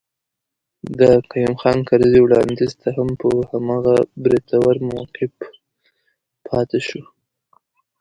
د قيوم خان کرزي وړانديز ته هم په هماغه بریتور موقف پاتي شو.